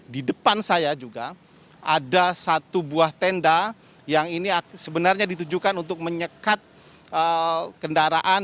di depan saya juga ada satu buah tenda yang ini sebenarnya ditujukan untuk menyekat kendaraan